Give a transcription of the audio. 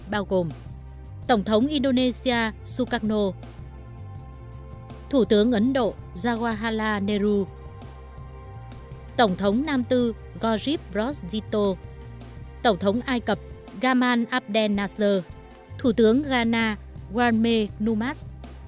bao gồm tổng thống indonesia sukarno thủ tướng ấn độ jawaharlal nehru tổng thống nam tư ghojib rosdito tổng thống ai cập gaman abdel nasser thủ tướng ghana warme numad